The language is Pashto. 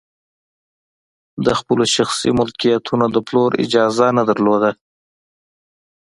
د خپلو شخصي ملکیتونو د پلور اجازه نه لرله.